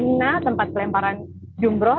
kemudian juga ke tempat kelemparan jumroh